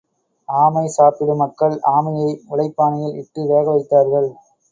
ஆமை சாப்பிடும் மக்கள், ஆமையை உலைப் பானையில் இட்டு வேக வைத்தார்கள்.